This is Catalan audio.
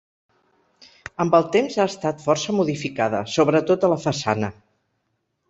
Amb el temps ha estat força modificada, sobretot a la façana.